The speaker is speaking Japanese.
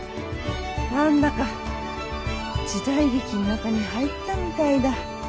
何だか時代劇の中に入ったみたいだ。